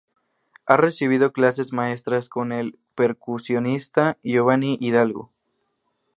Ha recibido clases maestras con el percusionista Giovanny Hidalgo.